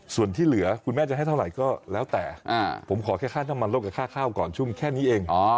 ส่วนที่เหลือคุณแม่จะให้เท่าไหร่ก็แล้วแต่ผมขอแค่ค่าน้ำมันโลกกับค่าข้าวก่อนชุ่มแค่นี้เอง